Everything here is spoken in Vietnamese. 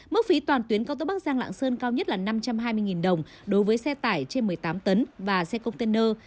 mức phí toàn tuyến cao tốc bắc giang lạng sơn cao nhất là năm trăm hai mươi đồng đối với xe tải trên một mươi tám tấn và xe container